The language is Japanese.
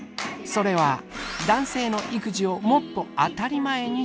それは男性の育児をもっと当たり前にしていくこと。